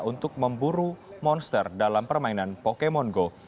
untuk memburu monster dalam permainan pokemon go